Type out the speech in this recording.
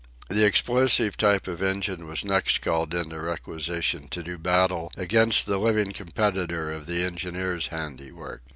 The explosive type of engine was next called into requisition to do battle against the living competitor of the engineer's handiwork.